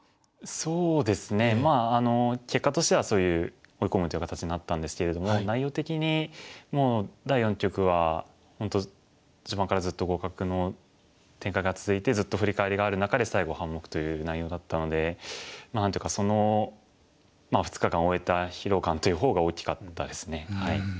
そうですね結果としてはそういう追い込むという形になったんですけれども内容的にもう第四局は本当序盤からずっと互角の展開が続いてずっとフリカワリがある中で最後半目という内容だったので何ていうかその２日間を終えた疲労感という方が大きかったですね。